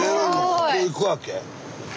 ここ行くわけ？